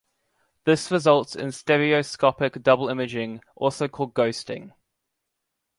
This results in stereoscopic double imaging, also called ghosting.